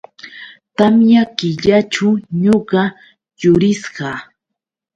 Tamya killaćhu ñuqa yurisqa.